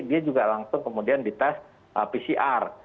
dia juga langsung kemudian di tes pcr